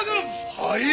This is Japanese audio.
はい！